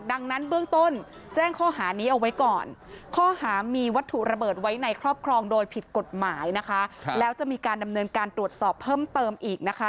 ดังนั้นเบื้องต้นแจ้งข้อหานี้เอาไว้ก่อนข้อหามีวัตถุระเบิดไว้ในครอบครองโดยผิดกฎหมายนะคะแล้วจะมีการดำเนินการตรวจสอบเพิ่มเติมอีกนะคะ